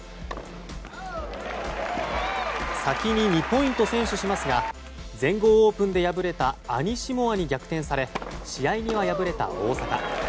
先に２ポイントを先取しますが全豪オープンで敗れたアニシモワに逆転され試合には敗れた大坂。